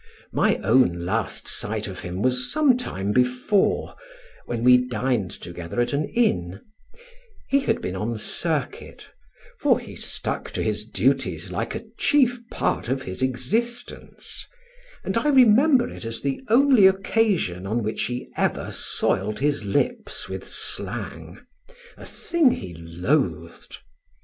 My own last sight of him was some time before, when we dined together at an inn; he had been on circuit, for he stuck to his duties like a chief part of his existence; and I remember it as the only occasion on which he ever soiled his lips with slang a thing he loathed.